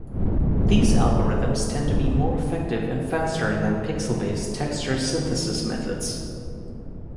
These algorithms tend to be more effective and faster than pixel-based texture synthesis methods.